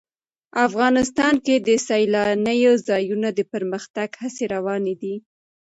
افغانستان کې د سیلانی ځایونه د پرمختګ هڅې روانې دي.